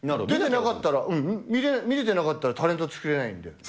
出てなかったら、見れてなかったら、タレント作れないんで。